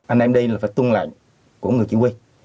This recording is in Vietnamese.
anh em đi là phải tung lại của người chỉ huy